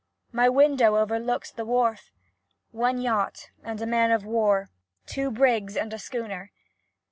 — My window overlooks the wharf! One yacht, and a man of war; two brigs and a schooner